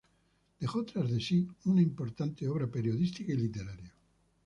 Dejó tras de sí una importante obra periodística y literaria.